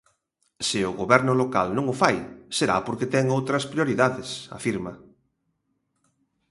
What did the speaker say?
Se o goberno local non o fai, será porque ten outras prioridades, afirma.